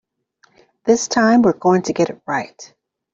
This time we're going to get it right.